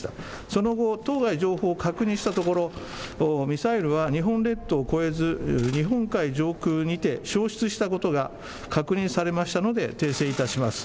その後、当該情報を確認したところ、ミサイルは日本列島を越えず、日本海上空にて消失したことが確認されましたので、訂正いたします。